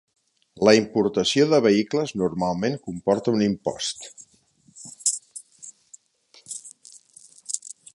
La importació de vehicles normalment comporta un impost.